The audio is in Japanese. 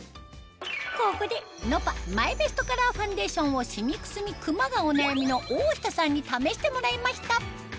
ここでｎｏｐａマイベストカラーファンデーションをシミくすみくまがお悩みの大下さんに試してもらいました